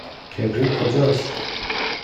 کبریت کجاست؟